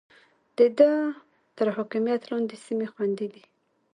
د ده تر حاکميت لاندې سيمې خوندي دي.